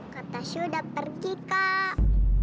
kak tasya udah pergi kak